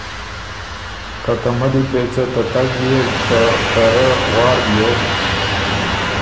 که ته ملّي پیڅه ته تګ يې که ته رۀ وار بیوک